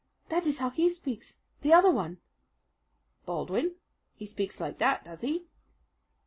That is how he speaks the other one!" "Baldwin he speaks like that, does he?"